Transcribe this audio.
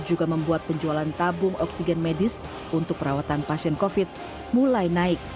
juga membuat penjualan tabung oksigen medis untuk perawatan pasien covid mulai naik